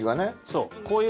そう。